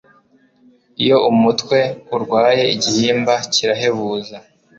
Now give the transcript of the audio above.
iyo umutwe urwaye igihimba kirahebuza